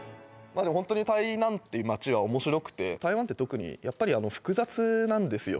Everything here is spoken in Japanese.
ホントに台南っていう街は面白くて台湾って特にやっぱりあの複雑なんですよ